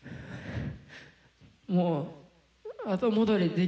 もう。